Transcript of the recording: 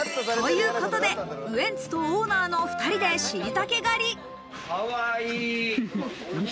ということで、ウエンツとオーナーの２人でしいたけ狩り。